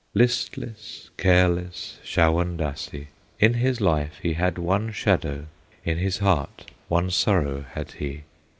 Listless, careless Shawondasee! In his life he had one shadow, In his heart one sorrow had he.